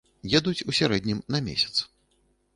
Едуць у сярэднім на месяц.